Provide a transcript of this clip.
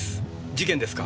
事件ですか？